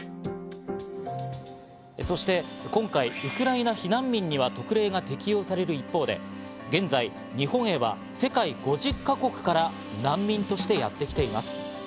そして今回、ウクライナ避難民には特例が適用される一方で、現在、日本へは世界５０か国から難民としてやってきています。